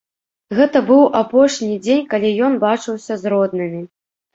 Гэта быў апошні дзень, калі ён бачыўся з роднымі.